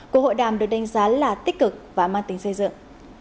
cuộc hội đàm được đánh giá là tích cực và mang tính xây dựng